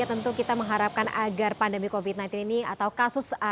tentu kita mengharapkan agar pandemi covid sembilan belas ini atau kasus